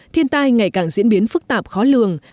thiên tai ngày càng diễn biến phức tạp khó lường